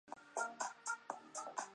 真的没有办法吗？